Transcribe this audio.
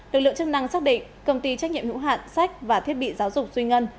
lực lượng chức năng xác định công ty trách nhiệm hữu hạn sách và thiết bị giáo dục suy ngân